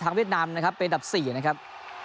ทางเวียดนามนะครับเป็นดับสี่นะครับ